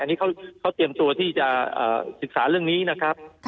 อันนี้เขาเตรียมตัวที่จะศึกษาเรื่องนี้นะครับ